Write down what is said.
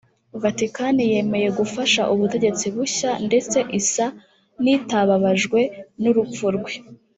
Vaticani yemeye gufasha ubutegetsi bushya ndetse isa n’itababajwe n’urupfu rwe